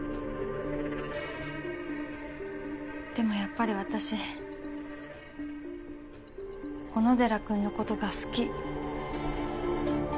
でもやっぱり私小野寺君のことが好き。